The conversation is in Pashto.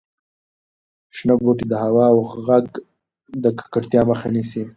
شنه بوټي د هوا او غږ د ککړتیا مخه نیسي.